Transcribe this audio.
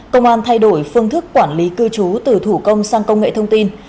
công an thay đổi phương thức quản lý cư trú từ thủ công sang công nghệ thông tin